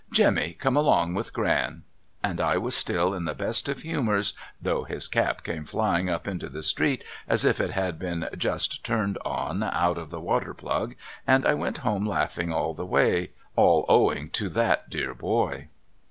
Jemmy come along with Gran.' And I was still in the best of humours though his cap came flying up into the street as if it had been just turned on out of the water plug, and I went home laughing all the way, all owing to that dear boy.